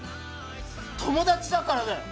友達だからだよ！